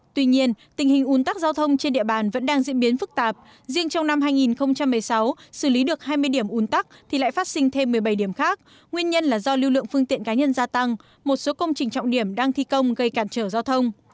tuy nhiên tình hình ủn tắc giao thông trên địa bàn vẫn đang diễn biến phức tạp riêng trong năm hai nghìn một mươi sáu xử lý được hai mươi điểm ủn tắc thì lại phát sinh thêm một mươi bảy điểm khác nguyên nhân là do lưu lượng phương tiện cá nhân gia tăng một số công trình trọng điểm đang thi công gây cản trở giao thông